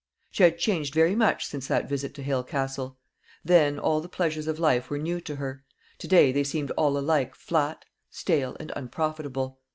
She had changed very much since that visit to Hale Castle. Then all the pleasures of life were new to her to day they seemed all alike flat, stale, and unprofitable.